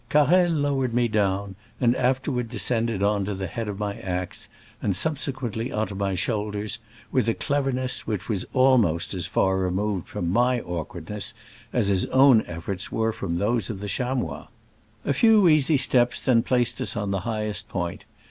Car rel lowered me down, and afterward descended on to the head of my axe, and subsequently on to my shoulders, with a cleverness which was almost as far removed from my awkwardness as his own efforts were from those of the chamois. A few easy ^eps then placed us on the highest point.